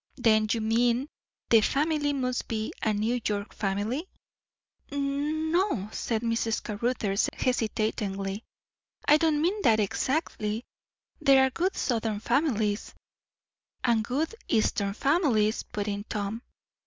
"Then you mean, the family must be a New York family?" "N o," said Mrs. Caruthers hesitatingly; "I don't mean that exactly. There are good Southern families " "And good Eastern families!" put in Tom.